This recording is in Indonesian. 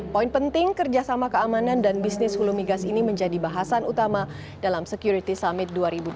poin penting kerjasama keamanan dan bisnis hulu migas ini menjadi bahasan utama dalam security summit dua ribu dua puluh